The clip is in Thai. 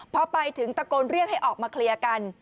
พอไปถึงตะโกนเรียกให้ออกมาเคลียร์กัน